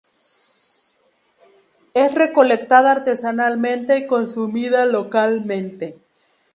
Es recolectada artesanalmente y consumida localmente.